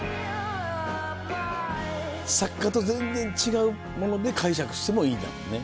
作家と全然違うもので解釈してもいいんだもんね。